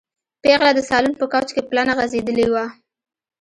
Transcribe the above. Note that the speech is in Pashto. پېغله د سالون په کوچ کې پلنه غځېدلې وه.